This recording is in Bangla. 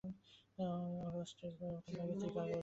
অগষ্টের প্রথম ভাগে চিকাগো যাচ্ছি।